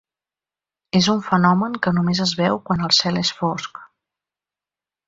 És un fenomen que només es veu quan el cel és fosc.